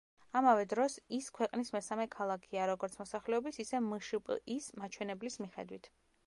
ამავე დროს, ის ქვეყნის მესამე ქალაქია როგორც მოსახლეობის, ისე მშპ-ის მაჩვენებლის მიხედვით.